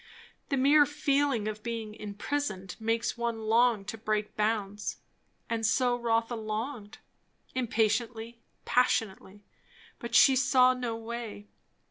The mere feeling of being imprisoned makes one long to break bounds; and so Rotha longed, impatiently, passionately; but she saw no way.